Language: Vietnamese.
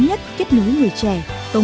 họ sẽ tài trợ